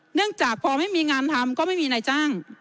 เนื่องจากพอไม่มีงานทำก็ไม่มีนายจ้าง